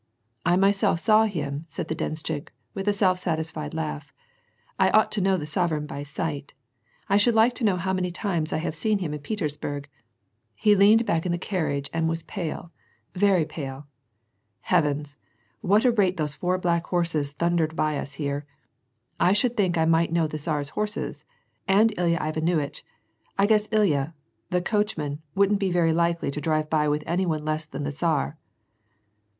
"I myself saw him," said the denshchik, with a self satisfied langhy ^' I ought to know the sovereign by sight ; I should like to know how many times I have seen him in Petersburg ! He leaned back in the carriage and was pale, very pale. Heavens ! what a rate those four black horses thundered by us here ; I should think I might know the Tsar's horses, and Ilya Ivsr nuitch ! I guess Ilya, the coachman, wouldn't be very likely to drive by with any one less than the Tsar